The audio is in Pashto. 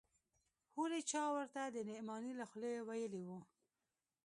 هورې چا ورته د نعماني له خولې ويلي و.